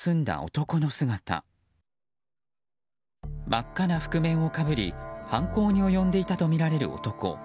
真っ赤な覆面をかぶり犯行に及んでいたとみられる男。